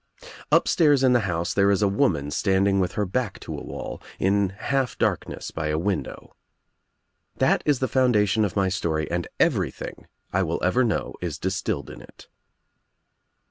2 THE TRIUMPH OF THE EGG Upstairs in the house there is a woman standing with her back to a wall, in half darkness by a window. That is the foundation of my story and everything I will ever know is distilled in it.